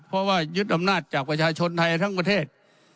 เพราะว่ายึดอำนาจจากประชาชนไทยทั้งประเทศ